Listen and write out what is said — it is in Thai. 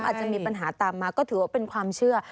อาจจะมีปัญหาตามมาก็ถือว่าเป็นความเชื่อ